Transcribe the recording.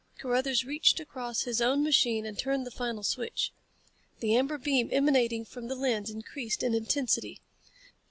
Carruthers reached across his own machine and turned the final switch. The amber beam emanating from the lens increased in intensity.